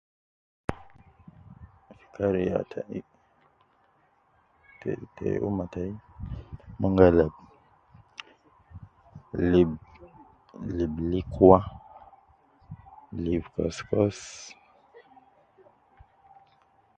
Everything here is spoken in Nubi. Fi kariya tayi te te ummah tayi mon ga alab lib ,lib likwa, lib kos kos.